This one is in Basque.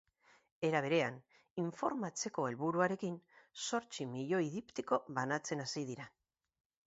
Era berean, informatzeko helburuarekin zortzi milioi diptiko banatzen hasi dira.